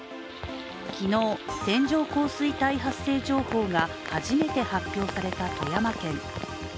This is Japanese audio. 昨日、線状降水帯発生情報が初めて発表された富山県。